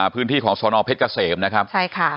พื้นที่ของสพเกษมค่ะ